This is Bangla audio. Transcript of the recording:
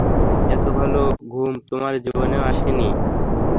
এতো ভাল ঘুম তোমার জীবনেও আসেনি।